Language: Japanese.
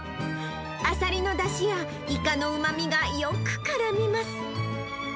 アサリのだしやイカのうまみがよくからみます。